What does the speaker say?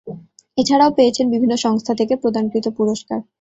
এছাড়াও পেয়েছেন বিভিন্ন সংস্থা থেকে প্রদানকৃত পুরস্কার।